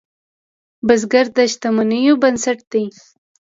بزګر د شتمنیو بنسټ دی